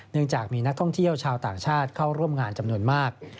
จากมีนักท่องเที่ยวชาวต่างชาติเข้าร่วมงานจำนวนมาก